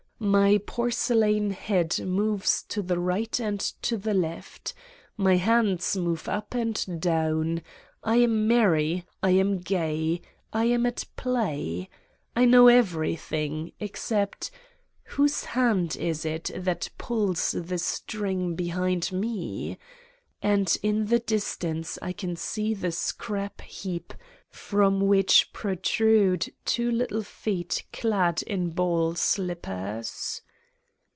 My porcelain head moves to the right and to the left. My hands move up and down. I am merry, I am gay. I am at play. I know everything ... except : whose hand it is that pulls the string behind Me. And in the distance I can see the scrap heap from which pro trude two little feet clad in ball slippers.